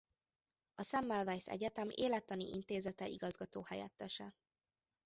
A Semmelweis Egyetem Élettani Intézete igazgatóhelyettese.